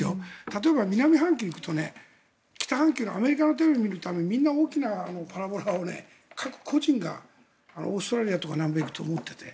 例えば南半球に行くと、北半球のアメリカのテレビを見るためにみんな大きなパラボラを各個人がオーストラリアとか南米に行くと持っていて